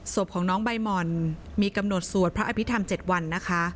ศพของน้องใบหม่อนมีกำหนดสวดพระอภิษฐรรม๗วันนะคะ